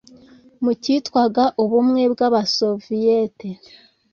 mu cyitwaga Ubumwe bw'Abasoviyete,